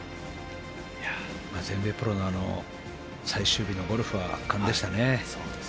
全米プロの最終日のゴルフは圧巻でしたね。